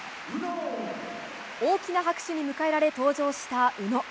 大きな拍手に迎えられ登場した宇野。